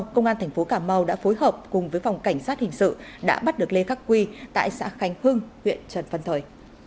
công an tp cảm mau đã phối hợp cùng với phòng cảnh sát hình sự đã bắt được lê khắc quy tại xã khánh hưng huyện trần phân thời